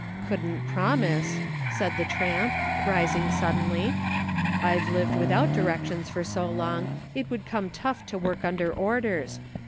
" Couldn't promise," said the tramp, rising sud denly ;" I've lived without directions for so long, it would come tough to work under orders.